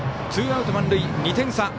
ツーアウト満塁、２点差。